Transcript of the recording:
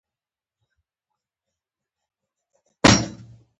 ازادي راډیو د د ښځو حقونه په اړه د مخکښو شخصیتونو خبرې خپرې کړي.